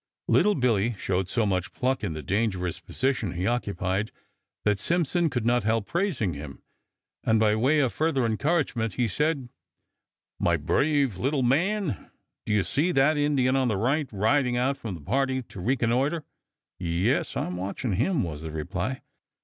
Little Billy showed so much pluck in the dangerous position he occupied that Simpson could not help praising him, and by way of further encouragement he said: "My brave little man, do you see that Indian on the right, riding out from the party to reconnoiter?" "Yes, I'm watching him," was the reply.